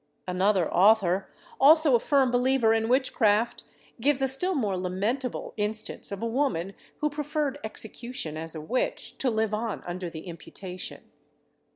Another author, also a firm believer in witchcraft, gives a still more lamentable instance of a woman who preferred execution as a witch to live on under the imputation.